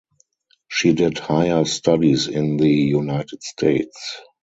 She did higher studies in the United States.